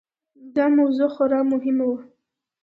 دا موضوع خورا مهمه وه.